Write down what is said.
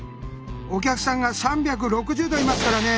お客さんが３６０度いますからね。